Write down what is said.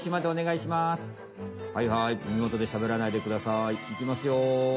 「いきますよ」。